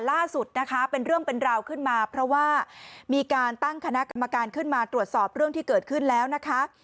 ล่าสุดนะคะเป็นเรื่องเป็นราวขึ้นมาเพราะว่ามีการตั้งคณะกรรมการขึ้นมาตรวจสอบเรื่องที่เกิดขึ้นแล้วนะคะ